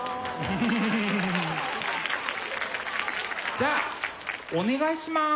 じゃあお願いします。